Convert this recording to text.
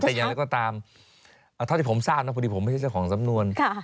แต่อย่างไรก็ตามเท่าที่ผมทราบนะพอดีผมไม่ใช่เจ้าของสำนวน